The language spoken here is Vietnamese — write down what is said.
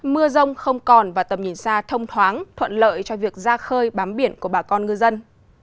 mưa rông không còn và tầm nhìn xa thông thoáng thuận lợi cho việc ra khơi bám biển của bà con ngư dân